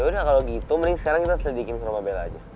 yaudah kalau gitu mending sekarang kita selidikin serupa bella aja